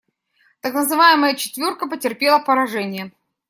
Так называемая «четверка» потерпела поражение.